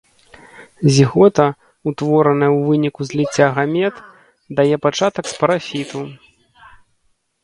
Зігота, утвораная ў выніку зліцця гамет, дае пачатак спарафіту.